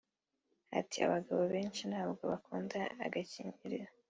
Ati “Abagabo benshi ntabwo bakunda agakingirizo